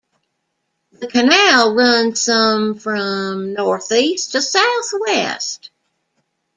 The canal runs some from northeast to southwest.